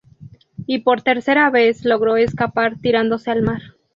Y por tercera vez logró escapar tirándose al mar.